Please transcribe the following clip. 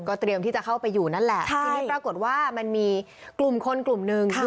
เตรียมที่จะเข้าไปอยู่นั่นแหละทีนี้ปรากฏว่ามันมีกลุ่มคนกลุ่มหนึ่ง